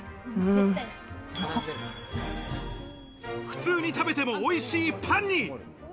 普通に食べてもおいしいパンに。